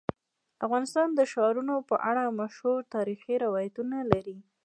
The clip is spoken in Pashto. افغانستان د ښارونه په اړه مشهور تاریخی روایتونه لري.